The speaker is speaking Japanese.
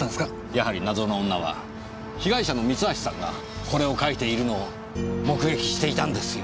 やはり謎の女は被害者の三橋さんがこれを描いているのを目撃していたんですよ。